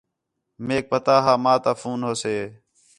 میک پتا ہا ماں تا فون ہوسے